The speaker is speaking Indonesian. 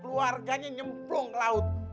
keluarganya nyemplung ke laut